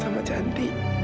kangen banget sama cantik